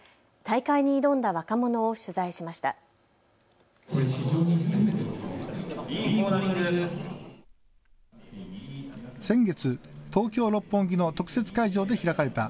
大会に挑んだ若者を取材しました。